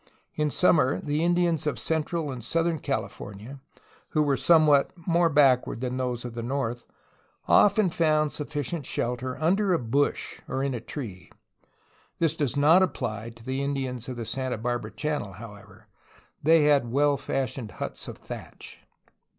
In summer the Indians of central and southern California, who were somewhat more backward than those of the north, often found sufficient shelter under a bush or a tree. • This does not apply to the Indians of the Santa Barbara Channel, however. They had well fashioned huts of thatch.